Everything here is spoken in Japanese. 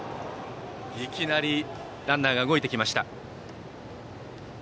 いきなりランナーが動いてきました。